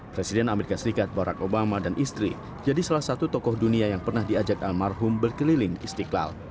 presiden amerika serikat barack obama dan istri jadi salah satu tokoh dunia yang pernah diajak almarhum berkeliling istiqlal